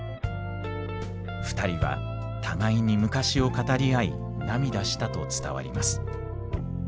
２人は互いに昔を語り合い涙したと伝わります。